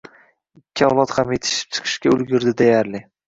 – ikki avlod ham yetishib chiqishga ulgurdi deyarli.